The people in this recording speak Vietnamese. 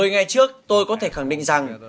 một mươi ngày trước tôi có thể khẳng định rằng